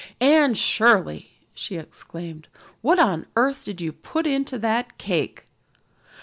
"Anne Shirley!" she exclaimed, "what on earth did you put into that cake?"